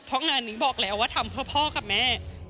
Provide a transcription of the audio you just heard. เพราะงานนี้บอกแล้วว่าทำเพื่อพ่อกับแม่